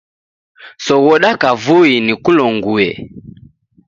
Soghoda kavui nikulonguye.